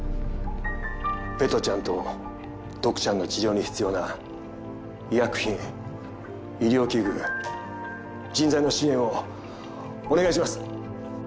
ベトちゃんとドクちゃんの治療に必要な医薬品医療器具人材の支援をお願いします